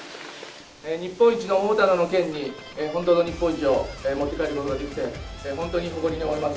日本一の桃太郎の県に、本当の日本一を持って帰ることができて、本当に誇りに思います。